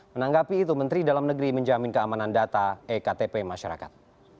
menanggapi itu menteri dalam negeri menjamin keamanan data ektp masyarakat